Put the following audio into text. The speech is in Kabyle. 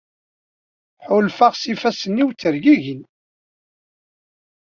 Ḥulfaɣ s yifassen-iw ttergigin.